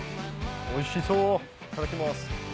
おいしそういただきます。